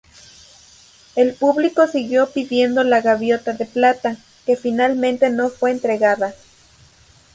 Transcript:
El público siguió pidiendo la gaviota de plata, que finalmente no fue entregada.